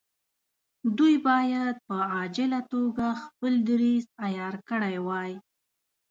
دوی باید په عاجله توګه خپل دریځ عیار کړی وای.